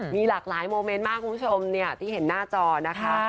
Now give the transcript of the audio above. มีหลากหลายโมเมนต์มากคุณผู้ชมเนี่ยที่เห็นหน้าจอนะคะ